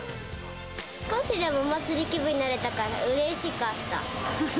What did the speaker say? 少しでもお祭り気分になれたから、うれしかった。